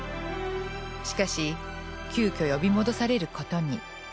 しかし急きょ呼び戻されることに。